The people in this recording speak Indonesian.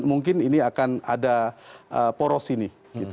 mungkin ini akan ada poros ini